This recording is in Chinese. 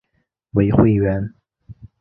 为会员。